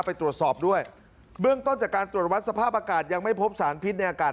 ไปตรวจสอบด้วยเบื้องต้นจากการตรวจวัดสภาพอากาศยังไม่พบสารพิษในอากาศ